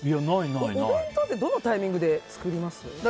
お弁当ってどのタイミングで作ります？